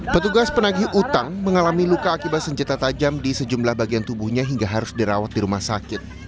petugas penagih utang mengalami luka akibat senjata tajam di sejumlah bagian tubuhnya hingga harus dirawat di rumah sakit